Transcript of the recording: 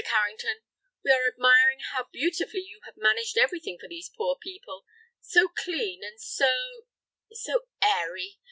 Carrington. We are admiring how beautifully you have managed everything for these poor people. So clean, and so—so airy.